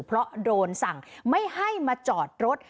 เพราะโดนสั่งไม่ให้มาจอดรถ